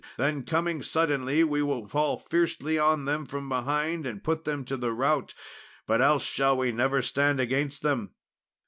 Then coming suddenly we will fall fiercely on them from behind and put them to the rout, but else shall we never stand against them."